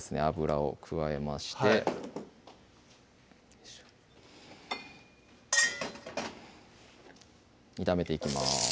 油を加えまして炒めていきます